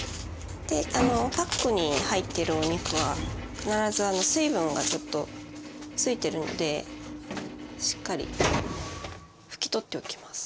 パックに入ってるお肉は必ず水分がちょっと付いてるのでしっかり拭き取っておきます。